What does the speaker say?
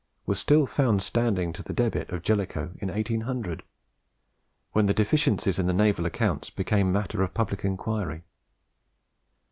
was still found standing to the debit of Jellicoe in 1800, when the deficiencies in the naval account's became matter of public inquiry.